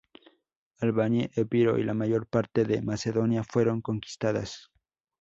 Albania, Epiro y la mayor parte de Macedonia fueron conquistadas.